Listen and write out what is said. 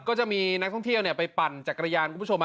ก็จะมีนักท่องเที่ยวไปปั่นจักรยานคุณผู้ชม